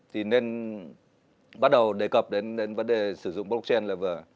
thì nên bắt đầu đề cập đến vấn đề sử dụng blockchain là vừa